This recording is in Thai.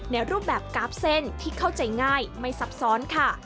รูปแบบกราฟเส้นที่เข้าใจง่ายไม่ซับซ้อนค่ะ